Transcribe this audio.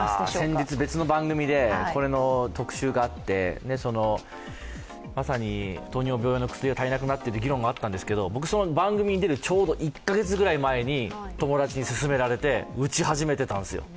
先日別の番組でこれの特集があって、まさに糖尿病の薬が足りなくなっている議論があったんですけれども、僕その番組に出るちょうど１か月前くらいに友達に勧められて、打ち始めていたんですよ。